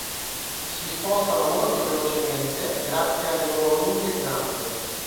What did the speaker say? Si spostano molto velocemente grazie alle loro lunghe zampe.